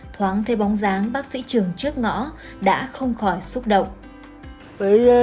thoáng thấy bóng dáng bác sĩ trường trước ngõ đã không khỏi xúc động